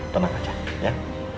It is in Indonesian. tenang aja ya